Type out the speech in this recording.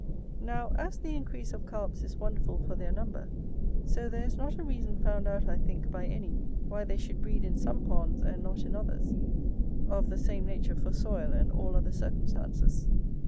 Now, as the increase of Carps is wonderful for their number, so there is not a reason found out, I think, by any, why they should breed in some ponds, and not in others, of the same nature for soil and all other circumstances.